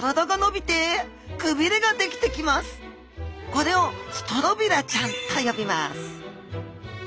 これをストロビラちゃんと呼びます